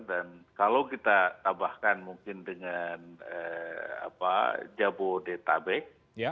dan kalau kita tambahkan mungkin dengan jabodetabek